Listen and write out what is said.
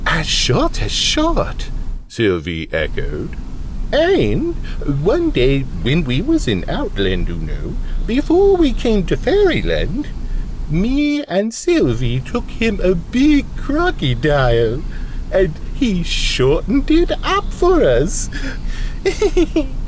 "As short as short!" Sylvie echoed. "And one day when we was in Outland, oo know before we came to Fairyland me and Sylvie took him a big Crocodile. And he shortened it up for us.